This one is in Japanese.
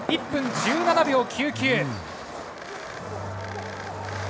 １分１７秒９９。